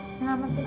mengamalkan aku loh